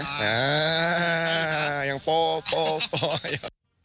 อ่ายังโป๊บโป๊บโป๊บ